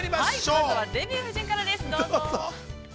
◆まずは「デビュー夫人」からです、どうぞ。